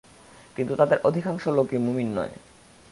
কিন্তু তাদের অধিকাংশ লোকই মুমিন নয়।